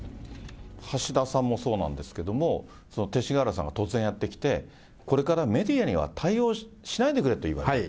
橋田さんもそうなんですけども、勅使河原さん、突然やって来て、これからメディアには対応しないでくれと言われたと。